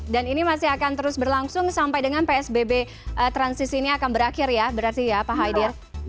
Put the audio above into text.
dan ini masih akan terus berlangsung sampai dengan psbb transisi ini akan berakhir ya berarti ya pak haidir